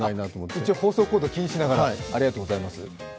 一応、放送コードを気にしながら、ありがとうございます。